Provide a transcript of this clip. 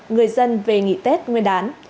người dân về nghỉ tết nguyên đán